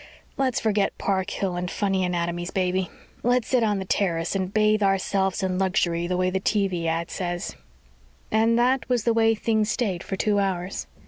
"Let's forget Park Hill and funny anatomies, baby. Let's sit on the terrace and bathe ourselves in luxury the way the TV ad says." And that was the way things stayed for two hours.